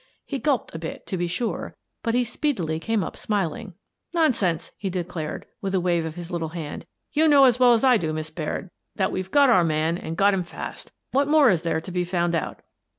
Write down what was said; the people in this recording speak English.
He gulped a bit, to be sure, but he speedily came up smiling. "Nonsense," he declared, with a wave of his little hand. "You know as well as I do, Miss Baird, that we've got our man and got him fast What more is there to be found out?"